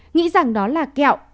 nghĩ rằng đó là kẹo